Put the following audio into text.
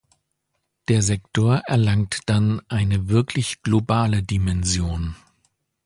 Der Sektor erlangt dann eine wirklich globale Dimension.